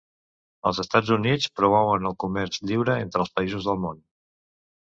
Els Estats Units promouen el comerç lliure entre els països del món.